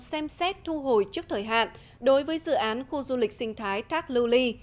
xem xét thu hồi trước thời hạn đối với dự án khu du lịch sinh thái thác lưu ly